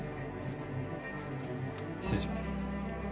失礼します